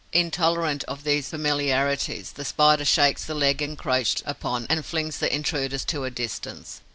Intolerant of these familiarities, the Spider shakes the leg encroached upon and flings the intruders to a distance.